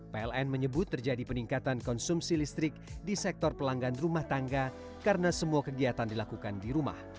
pln menyebut terjadi peningkatan konsumsi listrik di sektor pelanggan rumah tangga karena semua kegiatan dilakukan di rumah